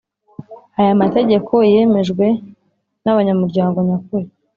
Aya mategeko yemejwe n abanyamuryango nyakuri